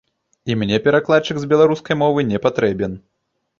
І мне перакладчык з беларускай мовы не патрэбен.